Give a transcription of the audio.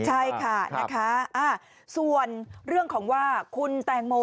ใช่ค่ะนะคะส่วนเรื่องของว่าคุณแตงโม